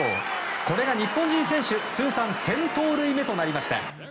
これが日本人選手通算１０００盗塁目となりました。